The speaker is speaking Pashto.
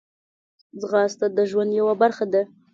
ځغاسته د ژوند یوه برخه ده